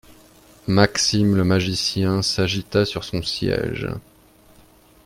Maxime le magicien s’agita sur son siège.